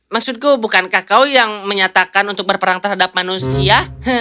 maksudku bukankah kau yang menyatakan untuk berperang terhadap manusia